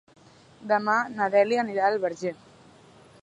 Demà na Dèlia anirà al Verger.